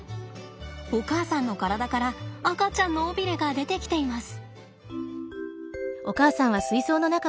お母さんの体から赤ちゃんの尾ビレが出てきています。